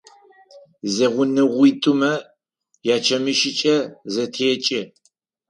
Зэгъунэгъуитӏумэ ячэмыщыкӏэ зэтекӏы.